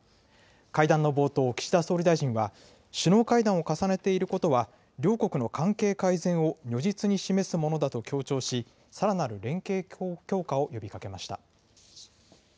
会談の冒頭、岸田総理大臣は首脳会談を重ねていることは両国の関係改善を如実に示すものだと強調しさらなる連携強化を呼びかけました。